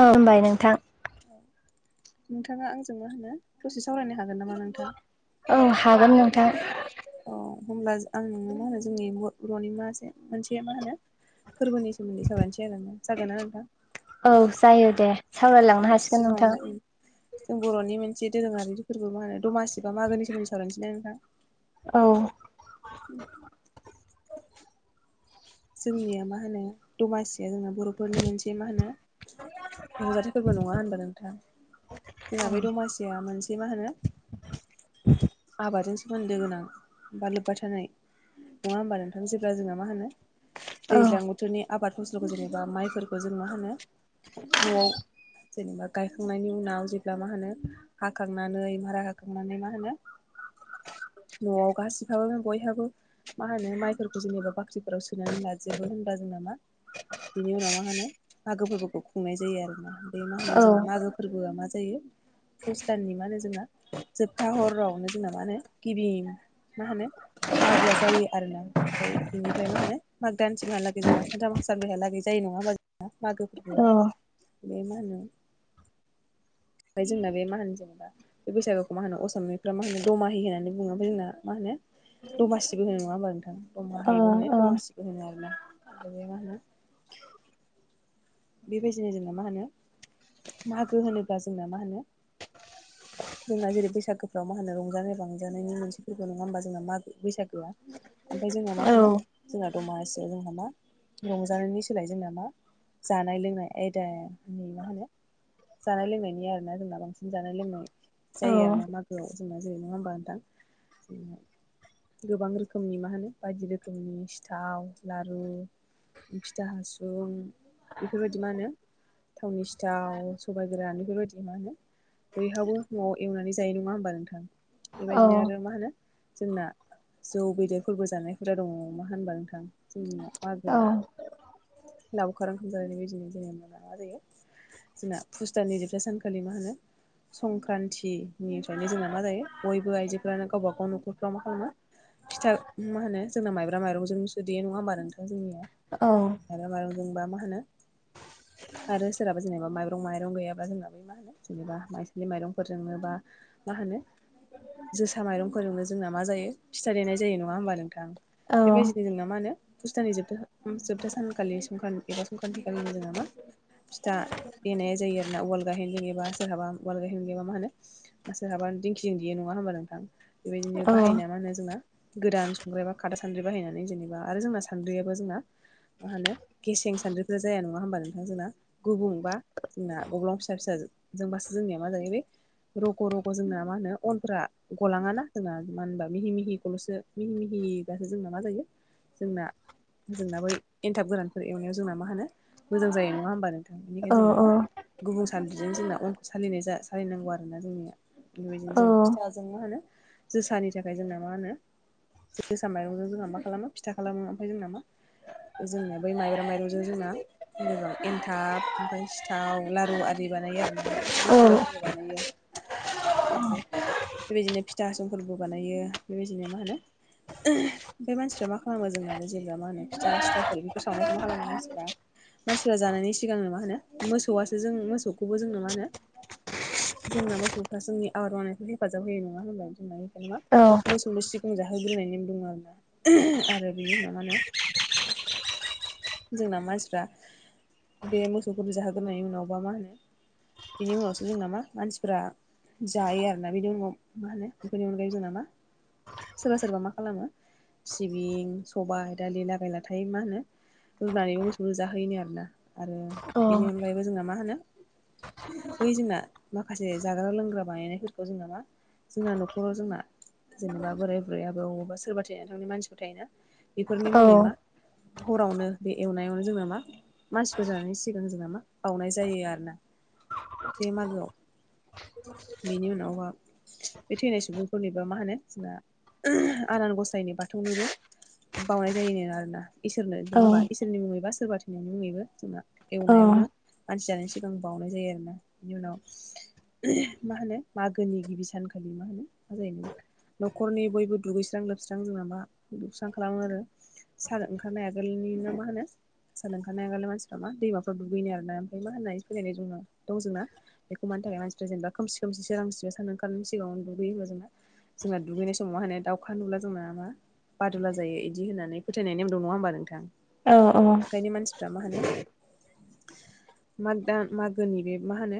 औ खुलुमबाय नोंथां। नोंथांङा आंजों मा होनो दसे सावरायनो हागोन नामा नोंथां। औ हागोन नोंथां। औ होमब्ला आं नोंङो मा होनो जोंनि न'नि मासे मोनसे मा होनो फोरबोनि सोमोन्दै सावरायनोसै आरोना जागोन ना नोंथां। औ जायो दे सावरायलांनो होमबा हासिगोन नोंथां। सिगाङावनो ओं जों बर'नि मोनसे दोरोंङारि फोरबो मा होनो दमासिका मागोननि सोमोन्दै सावरायसिम ना नोंथां। औ। ओम। जोंनिया मा होनो दमासिया जोंना बर'फोरनि मोनसे मा होनो। रंजाथिफोरबो नंङा होनबा नोंथां? जोंना बे दमासिया मोनसे मा होनो आबादजोंनो सोमोन्दो गोनां बा लोब्बाय थानाय नङा होमबा नोंथां जेब्ला जोंहा मा होनो। औ दैज्लां बोथोरनि आबाद फसल'खौ जेनेबा माइफोरखौ जों मा होनो न'आव ओ जेनेबा गायखांनायनि उनाव जेब्ला मा होनो हाखांनानै मारा हाखांनानै मा होनो ओ। न'आव गासिबाबो बयहाबो मा होनो माइफोरखौ जेनेबा बाख्रिफोराव स लाजोबो होनब्ला जोंनाामा बिनि उनाव मा होनो बाहागो फोरबोखौ खुंनाय जायो आरो ना। बेफ्राय मा औ होनो जोंङो मागो फोरबोआ मा जायो। फुसताननि मा होनो जोंना जोबथा हरावनो जोंना मा होनो गिबि मा होनो मागो जायो आरोना ओमफ्राय बेनिफ्राय मा होनो। गोदानसिमहालागै जोंना सानथाम हासार बेहालागै जायो नंङा होमा जोंहा मागो औ फोरबोआ बे मा होनो ओमफ्राय जोंना बे मा होनो जेनेबा ओ बे बैसागुखौ मा होनो असमिफ्रा मा होनो दमाहि होननानै बुङोब्ला जोंना मा होनोमोन। दमासिबो होनो नंङा होमबा नोंथां औ दमाहैबो होनो दमासिबो होनो आरोना ओमफ्राय बे मा होनो बेबायदिनो जोंना मा होनो मागो होनोब्ला जोंना मा होनो। जोंना जेरै बैसागोफ्राव मा होनो रंजानाय-बांजानायनि मोनसे फोरबो नंङा होमबा जोंना मागो बैसागो। ओमफ्राय जोंहा मा औ होनो जोंना दमासि जोंहा मा रंजानायनि सोलाय जोंना मा? जानाय-लोंनाय आयदा नै मा होनो ओ। जानाय लोंनायनि आरो ना जोंना बांसिन जानाय लोंनाय औ जायो आरो ना मागोआवनो। फोजोबनाय जायो नंङा होमबा नोंथां जों गोबां रोखोमनि मा होनो बायदि रोखोमनि सिथाव लारु फिथा-हासुं बेफोरबादि मा होनो थाावननि सिथाव सबाय गोरान बेफोरबादि मा होनो बयहाबबो न'आव एवनानै जायो नङा होमबा नोंथां औ बेबायदिनो आरो मा होनो जोंना जौ बेदेरफोरबो जानायफोरा दङ मा होनबा नोंथां जोंनिया औ मागोआ खार ओंखाम जानायनि बायदिनो जोंना [unintelligible] जायो जोंना फुस दाननि जोबथा सानखालि मा होनो संक्रान्तिनिफ्रायनो जोंना मा जायो बयबो आइजोफ्रानो गावबा गाव न'खरफ्राव मा खालामो फिथा मा होनो जोंना माइब्रा माइरंजोंसो देयो। नङा होमबा नोंथां जोंनिया? औ। माइब्रा माइरंजोंबा मा होनो आरो सोरहाबा जेनेबा माब्रं माइरं गैयाबा जोंना बै मा होनो जेनेबा माइसालि माइरंफोरजोंनो बा मा होनो जोसा माइरंफोरजोंनो जोंना मा जायो फिथाइ देनाय जायो। नंङा होमबा नोंथां? बेबायदिनो जोंना मानो पुस दाननि जोबथा उम जोबथा सानखालि संखान एबा संखान्थि खालिनो जोंहा मा फिथा देनाया जायो आरोना। उवाल गाहेनजों एबा सोहाबा उवाल गाहेन गैयोबा मा होनो मा सोरहाबा दिंखिं देयो। नंङा होमबा नोंथां? बेबायदिनो बाहायो नामानो जोंना। गोदान संग्राय बा खादा सान्द्रि बाहायनानै जेनेबा आरो जोंना सान्द्रियाबो जोंना मा होनो गेसें सान्द्रिफ्रा जाया नङा होमबा नोंथां जोंना। गुबुं बा जोंना गब्लं फिसा फिसा जोंबासो जोंनिया मा जायोरे रग' रग' जोंना मा होनो अनफ्रा गलाङा ना जोंना मा होनबा मिहि मिहिखौल'सो मिहि मिहि बासो जोंना मा जायो जोंना जोंना बै एन्थाब गोरानफोर एवनायाव जोंना मा होनो मोजां जायो नङा होमबा नोंथां? बेनिखायनो जोंना औ मा गुबुं सानद्रिजों जोंना अनखौ सालिनाय जा सालिनांगौ आरो ना जोंनिया। बेबायदिनो औ जोंना फिथा जों मा होनो जोसानि थाखाय जोंना मा होनो जोसा माइरंजों जोंहा मा खालामो फिथा खालामो ओमफाय जोंना मा बे जोंनिया बै माइब्रा माइरंजों जोंना ए रोखोम एन्थाब ओमफ्राय सिथाव लारु आरि बानायो आरो ना। औ [unintelligible] बानायो। ओमफाय बेबायदिनो फिथा हासुंफोरबो बानायो बेबायदिनो मा होनो ओमफ्राय मानसिफ्रा मा खालामो जोंना जेनबा मा होनो फिथा सिथावफोर सावनायखौ माखालामो मानसिफ्रा मानसिफ्रा जानायनि सिगांनो मा होनो मोसौआसो जों मोसौखौबो जोंनो मा होनो जोंना मोसौफ्रा जोंनि आबाद मावनायखौ हेफाजाब होयो नङा होनबा? जाय मा मोसौनो सिगां जाहोग्रोनाय नेम दङ' आरोना आरो बिनि उनाव मा होनो जोंना मानसिफ्रा बे मोसौफोरनो जाहोग्रोनायनि उनाव बा मा होनो बिनि उनावसो जों ना मा मानसिफ्रा जायो आरना बिनि उनाव मा होनो बेफोरनि अनगायैबो जोंना मा सोरबा सोरबा मा खालामो सिबिं सबाय दालि लागाय लाथाय मा होनो रुनानैबो मोसौनो जाहोयोनो आरोना आरो बेनि अनगायैबो जोंना मा होनो बै जोंना माखासे जाग्रा लोंग्रा बानायनायफोरखौ जोंना मा जोंना न'खराव जोंना जेनेबा बोराय बुरै आबै आबौ सोरबा थैना थांनाय मानसिफोर थायोना। बेफोरनि मुङै मा हरावनो बे एवनायावनो जोंना मा मानसिफोर जानायनि सिगां जोंना मा बावउनाय जायो आरो ना। बे मागोआव बिनि उनावहा बे थैनाय सुबुंफोरनि बा माहोनो जोंना आनान गसायनि बाथौनोबो बावनाय जायोनो आरोना इसोरनो नङा होमबा? इसोरनि मुङै बा सोरबा थैनायनि मुङैबो जोंना एवनायावनो मानसि जानायनि सिगां बावनाय जायो आरोना। बिनि उनाव मा होनो मागोनि गिबि सानखालि मा होनो मा जायोमोन न'खरनि बयबो दुगैस्रां लोबस्रां जोंना मा दुबस्रां खालामो आरो। सार ओंखारनाय आगोलनि नामा मा होनो सान ओंखारनाय आगोलनो मानसिफ्रा मा दैमाफ्राव दुगैयोनो आरोना ओमफ्राय मा होननाय फोथायनाय जोंना दं जोंना बेखौ मानि थाखाय मानसिफ्रा जेनेबा खोमसि खोमसि सोरांसि सान ओखारनायनि सिगाङाव दुगैयो होमबा जोंना जोंना दुगैनाय समाव मा होनो दाउखा नुब्ला जोंना मा बादुला जायो इदि होननानै फोथायनाय नेम दं नङा होनबा नोंथां? औ औ ओंखायनो मानसिफ्रा मा होनो माग दान मागोनि बे मा होनो।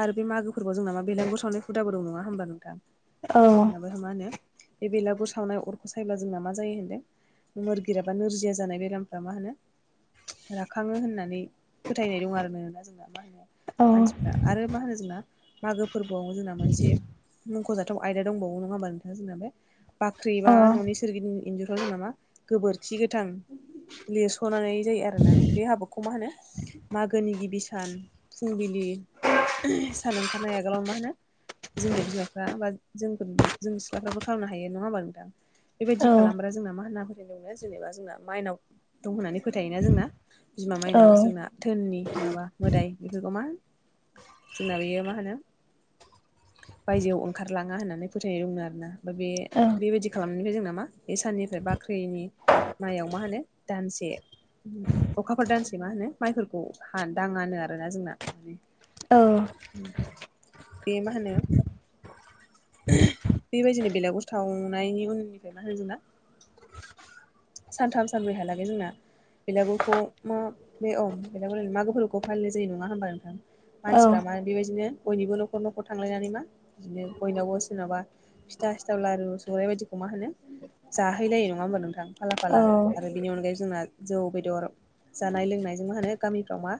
आरो बे मागोफोरबोआव जोंना मा बेलागुर सावनाय हुदाबो दं नङा होमबा नोंथां। मा होनो बेलागुर सावनाय अरखौ सायबा जोंना मा जायो होनदों मोरगिया बा नोरजिया जिया जानाय बेरामफ्रा मा होनो राखाङो होननानै फोथायनाय दं आरोना जोंना मा होनो मानसिफ्रा आरो मा होनो जोंना मागो फोरबोआव जोंना मोनसे मुख'जाथाव आयदा दंबावोब्ला होमबा नोंथां जोंना बे बाख्रि बा न'नि सोरगिदिं इन्जुरफ्राव जों नामा गोबोरखि गो गोथां लिरस'नानै जायो आरोना बे हाबाखौ मा होनो मागोनि गिबि सान फुंबिलि सान ओंखारनाय आगोलाव मा होनो जोंनि बिमाफ्रा बा जोंफोर जों सिख्लाफ्राबो खालामनो हायो नङा होमबा नोंथां बेबायदि खालामब्रा जोंना मा होनना फोथायदोंनो जेनेबा जोंना मायनाव दं होननानै फोथायोना जोंना बिमा मायनाव जोंना धोननि माबा मोदाय बेफोरखौ मा जोंना बेयो मा होनो बायजोआव ओंखारलाङा होननानै फोथायनाय दंमोन आरोना ओमफाय बे बेबायदि खालामनायनिफ्राय जों नामा बे साननिफ्राय बाख्रिनि माइयाव मा होनो दानसे [inaudible] अखाफोर दानसे मा होनो माइफोरखौ हान दाङानो आरोना जोंना औ उम बे मा होनो [unintelligible] बेबायदिनो बेलगुर सावनायनि उननिफ्राय मा होनो जोंना सानथाम सानब्रै हालागै जोंना बेलागुरखौ मा बे अ बेलागुर मागो फोरबोखौ फालिनाय जायो नङा होमबा नोंथां मानसिफ्रा मा बेबायदिनो बयनिबो न'खर न'खर थांलायनानै मा बिदिनो बयनावबो सोरनावबा फिथा सिथाव लारु सौराइ बायदिखौ मा होनो जाहैलायो नङा होमबा नोंथां फाला फाला आरो बेनि अनगायै जोंना जौ बेदर जानाय लोंनायजों मा होनो गामिफ्राव मा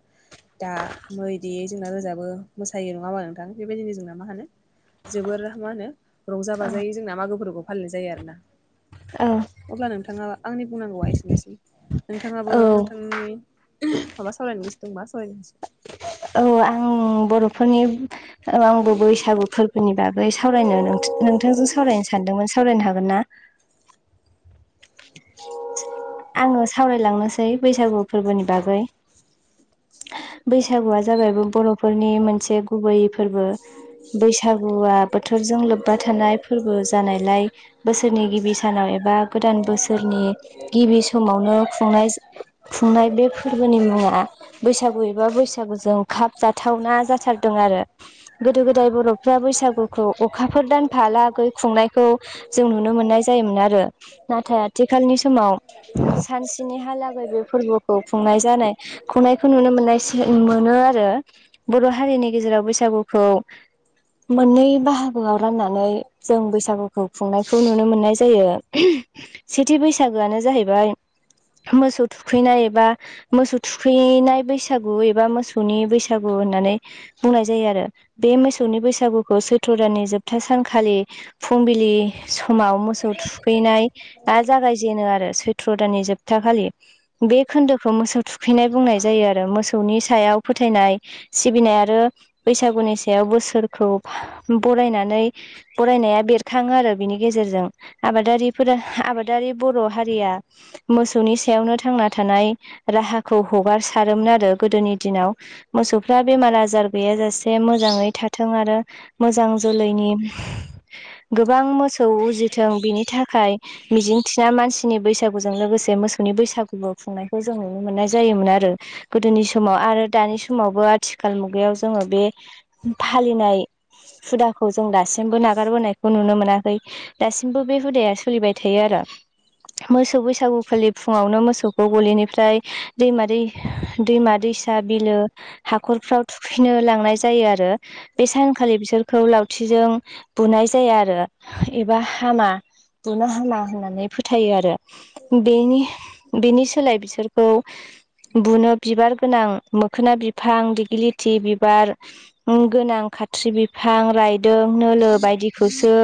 दा बेफोरबायदि जोंना रोजाबो मोसायो नङा होमबा नोंथां बेबायदिनो जोंना मा होनो जोबोर मा होनो रंजा बाजायै जोंना मागोफोरखौ फालिनाय जायो आरो ना। औ अब्ला नोंथाङा आंनि बुंनांगौवा एसेनोसै औ नोंथाङाबो औ औ नोंथांनि [unintelligible] माबा सावरायनो गोसो दंबा सावरायजासि औ आं बर'फोरनि ओ आंबो बैसागु फोरबोनि बागै बगै सावरायनो नोंथा-नोंथांजों सावरायनो सानदोंमोन सावरायनो हागोन ना [unintelligible] आङो सावरायलांनोसै बैसागु फोरबोनि बागै [inaudible] बैसागुआ जाबाय बे बर'फोरनि मोनसे गुबैयै फोरबो बैसागुआ बोथोरजों लोब्बा थानाय फोरबो जानायलाय बोसोरनि गिबि सानाव एबा गोदान बोसोरनि गिबि समावनो खुंनाय खुंनाय बे फोरबोनि मुङा बैसागु एबा बैसागुजों खाब जाथावना जाथारदों आरो गोदो गोदाय बर'फ्रा बैसागुखौ अखाफोर दानफालागै खुंनायखौ जों नुनो मोननाय जायोमोन आरो नाथाय आथिखालनि समाव सानसेनि हालागै बे फोरबोखौ खुंनाय जानाय खुंनायखौ नुनो मोननायसै मोनो आरो बर' हारिनि गेजेराव बैसागुखौ मोननै बाहागोआव राननानै जों बैसागुखौ खुंनायखौ नुनो मोननाय जा जायो [unintelligible] सेथि बैसागोआनो जाहैबाय मोसौ थुखैनाय एबा मोसौ थुखैनाय बैसा बैसागु एबा मोसौनि बैसागु होननानै बुंनाय जायो आरो बे मोसौनि बैसागुखौ सैथ्र' दाननि जोबथा सानखालि फुंबिलि समाव मोसौ थुखैनाय आ जागाय जेनो आरो सैत्र दाननि जोबथाखालि बे खोन्दोखौ मोसौ थुखैनाय बुंनाय जायो आ रो मोसौनि सायाव फोथायनाय सिबिनाय आरो बैसागुनि सायाव बोसोरखौ बरायनानै बरायनाया बेरखाङो आरो बेनि गेजेरजों आबादारिफोरो आबादारि बर' हारिया मोसौनि सायावनो थांना थानाय राहाखौ हगार सारोमोन आरो गोदोनि दिनाव मोसौफ्रा बेमार आजार गैया जासे बे मोजाङै थाथों आरो मोजां जोलैनि गोबां मोसौ उजिथों बिनि थाखाय मिजिंथिना मानसिनि बैसागुजों लोगोसे मोसौ नि बैसागुबो खुंनायखौ जों नुनो मोननाय जायोमोन आरो। गोदोनि समाव आरो दानि समावबो आथिखाल मुगायाव जोङो बे फालिनाय हुदाखौ जों दासिमबो नागारबोनायखौ नुनो मोनाखै। दासिमबो बे हुदाया सोलिबाय थायो आरो। मोसौ बैसागुखालि फुङावनो मोसौखौ गलिनिफ्राय दैमा दै दैमा-दैसा बिलो हाखरफ्राव थुखैनो लांनाय जायो आरो बे सानखालि बिसोरखौ लावथिजों बुनाय जाया आरो एबा हामा बुनो हामा होननानै फोथायो आरो। बेनि बेनि सोलाय बिसोरखौ बुनो बिबार गोनां मोखोना बिफां दिग्लिथि बिबार उम गोनां खाथ्रि बिफां रायदों नोलो बायदिखौसो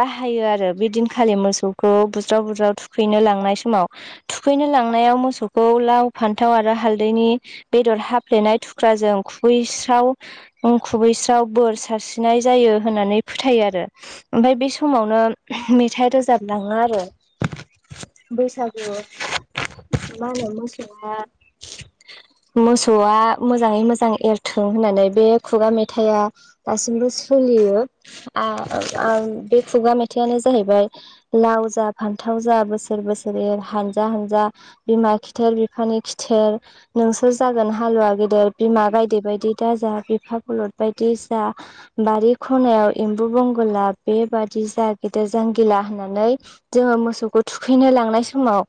बाहायो आरो बे दिनखालि मोसौखौ बुज्राव बुज्राव थुखैनो लांनाय समाव थुखैनो लांनायाव मोसौखौ लाव फान्थाव आरो हालदैनि बेदर हाफ्लेनाय थुख्राजों खुबैस्राव उम खुबैस्राव बोर सारस्रिनाय जायो होननानै फोथायो आरो। ओमफाय बे समावनो मेथाइ रोजाबलाङो आरो बैसागु मा होनो मोसौआ मोसौआ मोजाङै मोजां एरथों होननानै बे खुगा मेथाइया दासिमबो सलियो आ आ बे खुगा मेथाइआनो जाहैबाय लाव जा फान्थाव जा बोसोर बोसोर एर हानजा हानजा बिमा खि थेर बिफानि खिथेर नोंसोर जागोन हालुवा गेदेर बिमा गायदे बायदि दाजा बिफा बलद बायदि जा बारि खनायाव एम्बु बंगला बेबादि जा गेदेर जांगिला होननानै जोङो मोसौखौ थुखैनो लांनाय समाव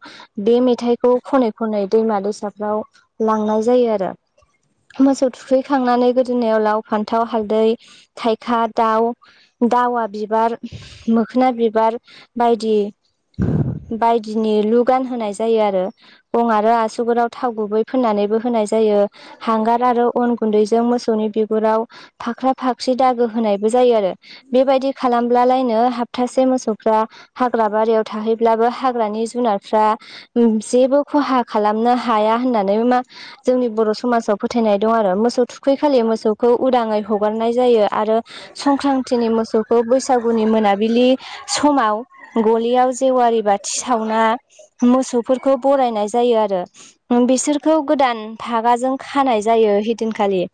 बे मेथाइखौ खनै खनै दैमा दैसाफ्राव लांनाय जायो आरो। मोसौ थुखैखांनानै गोदोनायाव लाव फान्थाव हालदै थाइखा दाव दावा बिबार मोखोना बिबार बायदि बायदिनि लु गानहोनाय जायो आरो। गं आरो आसुगुराव थाव गुबै फोननानैबो होनाय जायो हांगार आरो अन गुन्दैजों मोसौनि बिगुराव फाख्रा फाख्रि दागो होनायबो जायो आरो बेबायदि खालामब्लालायनो हाबथासे मोसौफ्रा हाग्रा बारियाव थाहैब्लाबो हाग्रानि जुनारफ्रा उम जेबो खहा खालामनो हाया होननानै मा जोंनि बर' समाजाव फोथायनाय दं आरो मोसौ थुखैखालि मोसौखौ उदाङै हगारनाय जायो आरो संक्रान्तिनि मोसौखौ बैसागुनि मोनाबिलि समाव गलियाव जेवारि बाथि सावना मोसौफोर खौ बरायनाय जायो आरो। ओं बिसोरखौ गोदान फागाजों खानाय जायो हिदिनखालि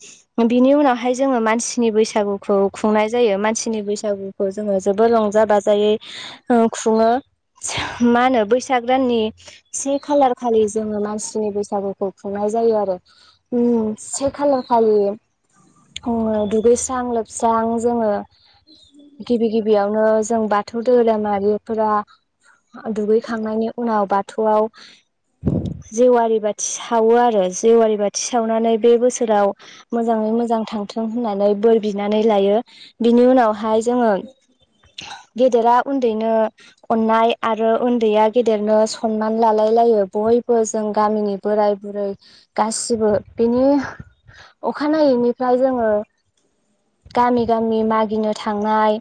बिनि उनावहाय जोङो मानसिनि बैसागुखौ खुंनाय जायो मानसिनि बैसागु। खौ जोङो जोबोर रंजा बाजायै ओ खुङो मा होनो बैसाग दाननि से खालार खालि जोङो मानसिनि बैसागुखौ खुंनाय जायो आरो उम से खालार खालि दुगैस्रां लोबस्रां जोङो गिबि गिबियावनो जों बाथौ धोरोमारिफोरा दुगैखांनायनि उनाव बाथौआव जेवारि बाथि सावो आरो जेवारि बाथि सावनानै बे बोसोराव मोजाङै मोजां थांथों होननानै बोर बिनानै लायो बिनि उनावहाय जोङो गेदेरा उन्दैनो अननाय आरो उन्दैया गेदेरनो सनमान लालाय लायो बयबो जों गामिनि बोराय बुरै गासिबो बिनि अखानायैनिफ्राय जोङो गामि गामि मागिनो थांनाय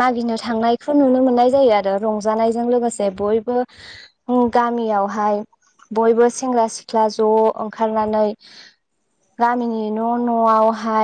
मागिनो थांनायखौ नुनो मोननाय जायो आरो रंजानायजों लोगोसे बयबो गामियावहाय बयबो सेंग्रा सिख्ला ज' ओंखारनानै गामिनि न' न'आवहाय